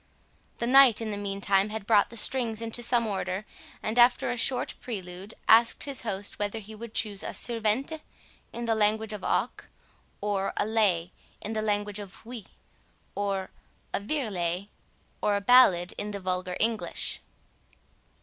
The knight in the meantime, had brought the strings into some order, and after a short prelude, asked his host whether he would choose a "sirvente" in the language of "oc", or a "lai" in the language of "oui", or a "virelai", or a ballad in the vulgar English.